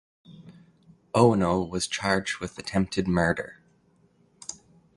Owino was charged with attempted murder.